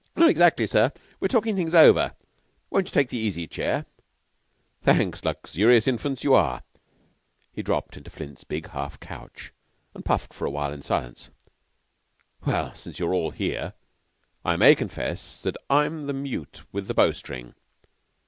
"Not exactly, sir; we're just talking things over. Won't you take the easy chair?" "Thanks. Luxurious infants, you are." He dropped into Flint's big half couch and puffed for a while in silence. "Well, since you're all here, I may confess that I'm the mute with the bowstring."